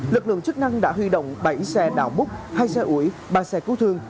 lực lượng chức năng đã huy động bảy xe đảo bút hai xe ủi ba xe cứu thương